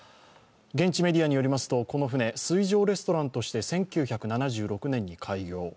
現地メディアによりますと、この船水上レストランとして１９７６年に開業。